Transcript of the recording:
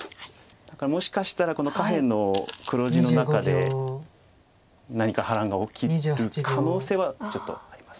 だからもしかしたらこの下辺の黒地の中で何か波乱が起きる可能性はちょっとあります。